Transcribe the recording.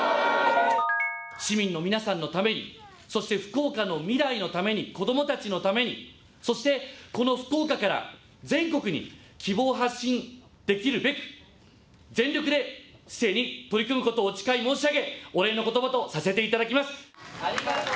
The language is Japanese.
市民の皆さんのために、そして福岡の未来のために子どもたちのためにそしてこの福岡から全国に希望を発信できるべく、全力で市政に取り組むことをお誓い申し上げお礼のことばとさせていただきます。